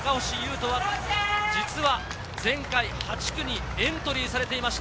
実は前回８区にエントリーされていました。